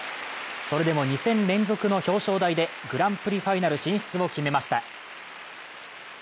それでも２戦連続の表彰台でグランプリファイナル進出を決めました。